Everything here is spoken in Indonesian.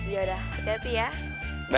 yaudah hati hati ya